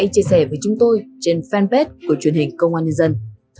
hãy chia sẻ với chúng tôi trên fanpage của truyền hình công an nhân dân